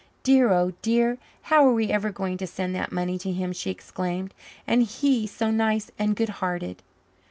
"Dear, oh dear, how are we ever going to send that money to him?" she exclaimed. "And he so nice and goodhearted!"